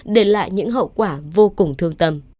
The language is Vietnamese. để lại những hậu quả vô cùng thương tâm